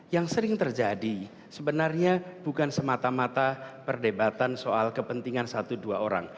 yang sering terjadi sebenarnya bukan semata mata perdebatan soal kepentingan satu dua orang